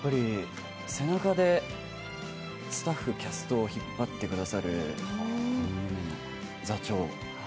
背中でスタッフ、キャストを引っ張ってくださる座長。